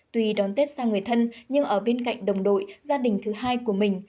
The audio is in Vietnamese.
tuy đón tết sang người thân nhưng ở bên cạnh đồng đội gia đình thứ hai của mình